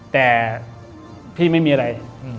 แต่พี่ไม่มีอะไร